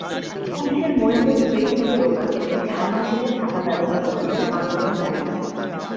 পুলিশের মরিচের স্প্রের থেকে রক্ষা পেতে ঢাল হিসেবে ছাতা ব্যবহার করতেন আন্দোলনকারীরা।